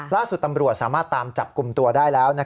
ล่าสุดตำรวจสามารถตามจับกลุ่มตัวได้แล้ว